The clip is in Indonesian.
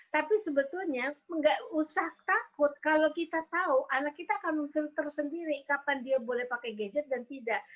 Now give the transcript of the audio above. tapi sebetulnya nggak usah takut kalau kita tahu anak kita akan memfilter sendiri kapan dia boleh pakai gadget dan tidak